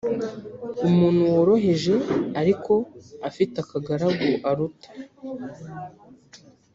umuntu woroheje ariko afite akagaragu aruta